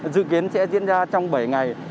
dự kiến sẽ diễn ra trong bảy ngày